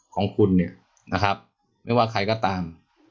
ของคุณเนี่ยนะครับไม่ว่าใครก็ตาม